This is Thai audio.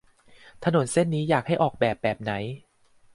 ถนนเส้นนี้อยากให้ออกแบบแบบไหน